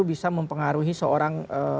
bisa mempengaruhi seorang